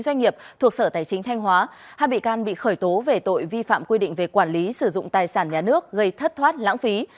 doanh nghiệp thuộc sở tài chính thanh hóa hai bị can bị khởi tố về tội vi phạm quy định về quản lý sử dụng tài sản nhà nước gây thất thoát lãng phí